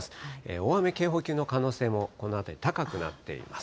大雨警報級の可能性も、この辺り高くなっています。